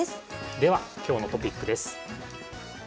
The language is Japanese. では今日のトピックです。